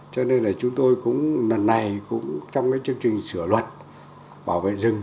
cho nên là chúng tôi cũng lần này cũng trong chương trình sửa luật bảo vệ rừng